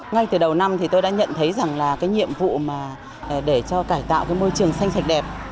ngay từ đầu năm thì tôi đã nhận thấy rằng là cái nhiệm vụ mà để cho cải tạo cái môi trường xanh sạch đẹp